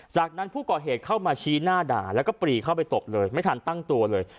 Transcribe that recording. จากนั้นผู้ก่อเหตุเข้ามาชี้หน้าด่าแล้วก็ปรีเข้าไปตบเลยไม่ทันตั้งตัวเลย